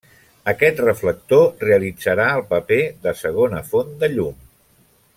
Aquest reflector realitzarà el paper de segona font de llum.